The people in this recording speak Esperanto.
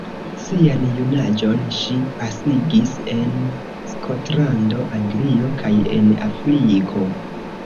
Sian junaĝon ŝi pasigis en Skotlando, Anglio kaj en Afriko.